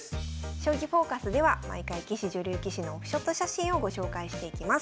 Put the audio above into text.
「将棋フォーカス」では毎回棋士女流棋士のオフショット写真をご紹介していきます。